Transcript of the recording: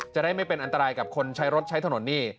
จะได้ไม่เป็นอันตรายกับคนใช้รถใช้ถนนนี่